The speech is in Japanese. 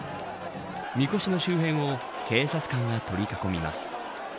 みこしの周辺を警察官が取り囲みます。